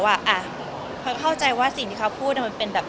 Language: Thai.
พลอยเข้าใจว่าสิ่งที่เขาพูดมันเป็นแบบ